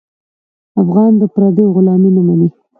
افغان د پردیو غلامي نه مني.